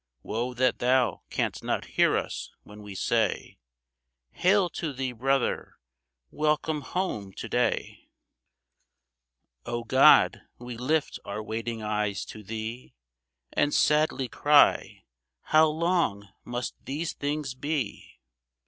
Woe that thou canst not hear us when we say, — "Hail to thee, brother, welcome home to day! " FROM BATON ROUGE 6/ O God, we lift our waiting eyes to Thee, And sadly cry, how long must these things be